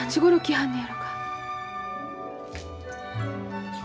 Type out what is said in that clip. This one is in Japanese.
はんのやろか。